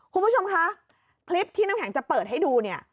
คุณผู้ชมคะคลิปที่น้ำแข็งจะเปิดให้ดูเนี่ย